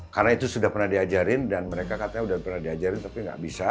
karena itu sudah pernah diajarin dan mereka katanya udah pernah diajarin tapi nggak bisa